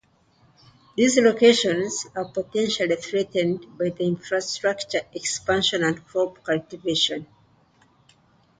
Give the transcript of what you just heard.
These locations are potentially threatened by infrastructure expansion and crop cultivation.